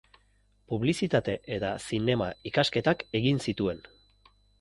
Publizitate eta Zinema ikasketak egin zituen.